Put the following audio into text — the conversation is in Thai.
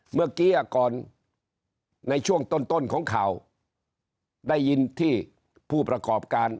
เมื่อกี้ก่อนในช่วงต้นของข่าวได้ยินที่ผู้ประกอบการ